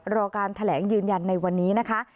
รอการแถลงยืนยันในวันนี้นะคะ